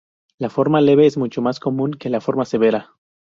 La forma leve es mucho más común que la forma severa.